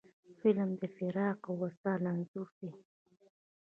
فلم د فراق او وصال انځور دی